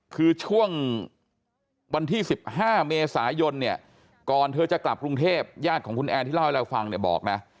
คือช่วงวันที่๑๕เมษายนเนี่ยก่อนเธอจะกลับกรุงเทพญาติของคุณแอนที่เล่าให้เราฟังเนี่ยบอกนะ